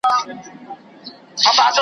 تازه ډوډۍ خوندوره وي.